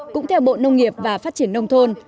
cũng theo bộ nông nghiệp và phát triển nông thôn